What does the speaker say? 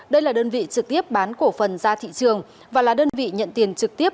đây là đơn vị trực tiếp bán cổ phần ra thị trường và là đơn vị nhận tiền trực tiếp